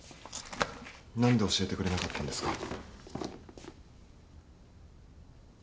何で教えてくれなかったんですか？